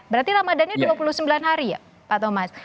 berarti ramadhannya dua puluh sembilan hari ya pak thomas